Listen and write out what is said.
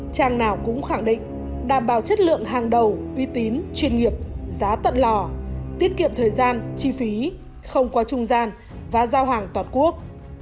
trang nào cũng khẳng định đảm bảo chất lượng hàng đầu uy tín chuyên nghiệp giá tận lò tiết kiệm thời gian chi phí không qua trung gian và giao hàng toàn quốc